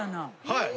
はい。